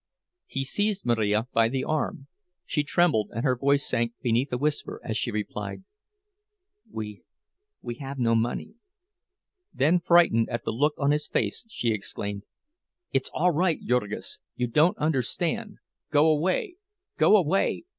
He seized Marija by the arm; she trembled, and her voice sank beneath a whisper as she replied, "We—we have no money." Then, frightened at the look on his face, she exclaimed: "It's all right, Jurgis! You don't understand—go away—go away!